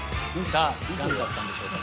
さあ雁だったんでしょうか？